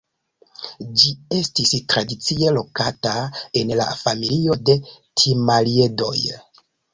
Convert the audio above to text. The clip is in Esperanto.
Ĝi estis tradicie lokata en la familio de Timaliedoj.